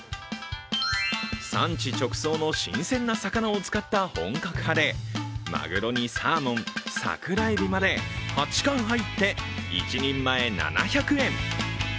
産地直送の新鮮な魚を使った本格派でまぐろにサーモン、さくらえびまで８貫入って、一人前７００円。